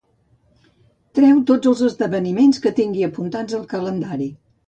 Treu tots els esdeveniments que tingui apuntats al calendari.